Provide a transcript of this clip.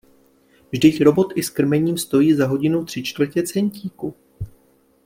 Vždyť Robot i s krmením stojí za hodinu tři čtvrtě centíku!